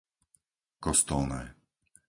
Kostolné